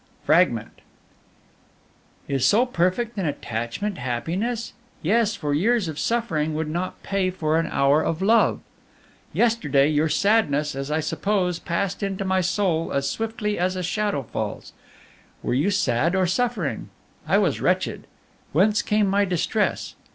FRAGMENT. "Is so perfect an attachment happiness? Yes, for years of suffering would not pay for an hour of love. "Yesterday, your sadness, as I suppose, passed into my soul as swiftly as a shadow falls. Were you sad or suffering? I was wretched. Whence came my distress?